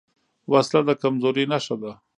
وسله د کمزورۍ نښه ده